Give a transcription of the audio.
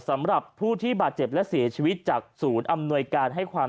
สำหรับผู้ที่บาดเจ็บและเสียชีวิตจากศูนย์อำนวยการให้ความ